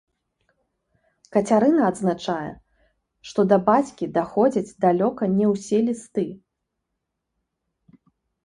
Кацярына адзначае, што да бацькі даходзяць далёка не ўсе лісты.